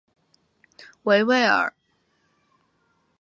维维尔。